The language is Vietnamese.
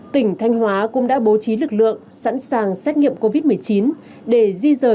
tỉnh thanh hóa cũng đã bố trí lực lượng sẵn sàng xét nghiệm covid một mươi chín để di rời